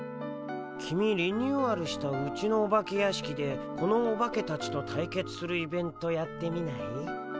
キミリニューアルしたうちのお化け屋敷でこのオバケたちと対決するイベントやってみない？